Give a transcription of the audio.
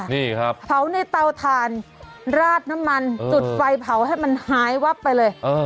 นี่ครับเผาในเตาถ่านราดน้ำมันจุดไฟเผาให้มันหายวับไปเลย